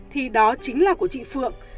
thì đó chính là của chị phượng